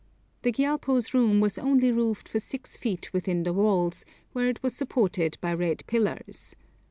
The Gyalpo's room was only roofed for six feet within the walls, where it was supported by red pillars.